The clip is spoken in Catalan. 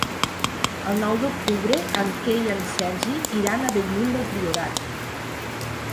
El nou d'octubre en Quer i en Sergi iran a Bellmunt del Priorat.